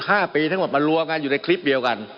มันมีมาต่อเนื่องมีเหตุการณ์ที่ไม่เคยเกิดขึ้น